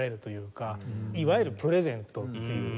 いわゆるプレゼントっていう。